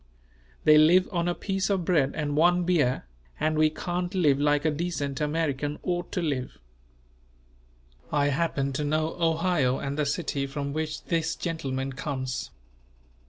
They live on a piece of bread and one beer, and we can't live like a decent American ought to live." I happen to know Ohio and the city from which this gentleman comes.